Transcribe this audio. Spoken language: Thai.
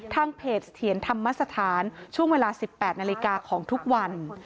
ทางเพจเถียรธรรมสถานช่วงเวลา๑๘นาฬิกาของทุกวัน